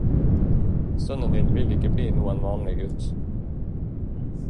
Sønnen din vil ikke bli noen vanlig gutt.